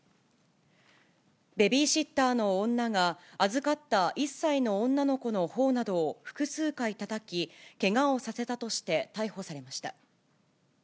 ベビーシッターの女が、預かった１歳の女の子のほおなどを複数回たたき、けがをさせたとして逮捕されました。